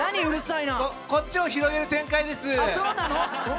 こっちも広げる展開です。